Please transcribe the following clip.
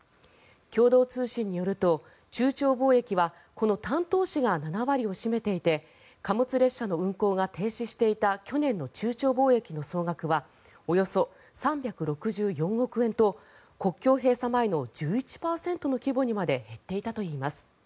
共同通信によると、中朝貿易はこの丹東市が７割を占めていて貨物列車の運行が停止していた去年の中朝貿易の総額はおよそ３６４億円と国境閉鎖前の１１％の規模にまで減っていたといいます。